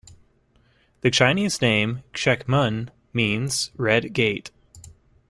The Chinese name "Chek Mun" means Red Gate.